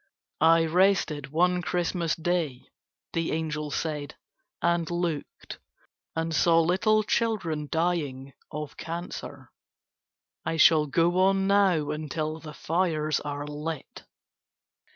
"I rested one Christmas Day," the angel said, "and looked and saw little children dying of cancer. I shall go on now until the fires are lit."